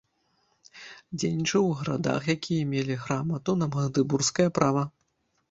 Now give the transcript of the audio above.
Дзейнічаў у гарадах, якія мелі грамату на магдэбургскае права.